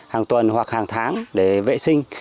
hàng tuần hoặc hàng tháng để vệ sinh